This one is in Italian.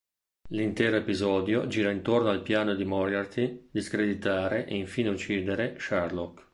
L'intero episodio gira intorno al piano di Moriarty di screditare e, infine, uccidere Sherlock.